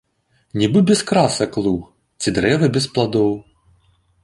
Нібы без красак луг ці дрэва без пладоў.